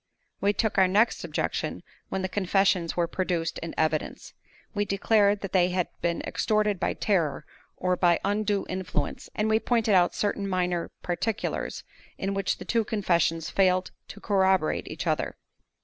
We took our next objection when the confessions were produced in evidence. We declared that they had been extorted by terror, or by undue influence; and we pointed out certain minor particulars in which the two confessions failed to corroborate each other.